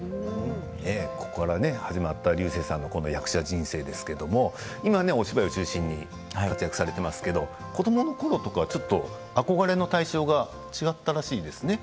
ここから始まった竜星さんの役者人生ですけれども今、お芝居を中心に活躍されていますけど子どものころとかそうですね。